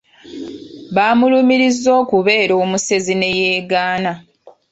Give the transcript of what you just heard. Baamulumiriza okubeera omusezi ne yeegaana.